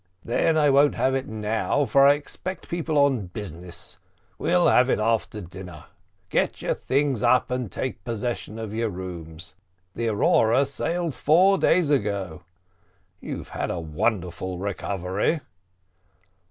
"Then I won't have it now, for I expect people on business; we'll have it after dinner. Get your things up and take possession of your rooms. The Aurora sailed four days ago. You've had a wonderful recovery."